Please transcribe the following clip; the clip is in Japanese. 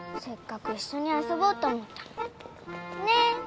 せっかく一緒に遊ぼうと思ったのにねっ。